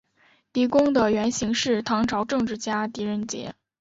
狄公的原型是唐朝政治家狄仁杰。